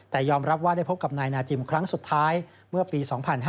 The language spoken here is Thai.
แต่ยอมรับว่าได้พบกับนายนาจิมครั้งสุดท้ายเมื่อปี๒๕๕๙